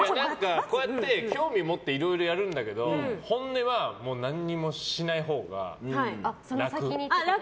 興味を持っていろいろやるんだけど本音は何もしないほうが楽。